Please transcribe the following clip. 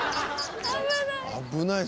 危ない。